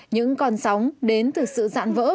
những con sóng đến từ sự dạn vỡ